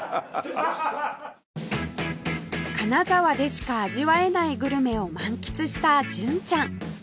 金沢でしか味わえないグルメを満喫した純ちゃん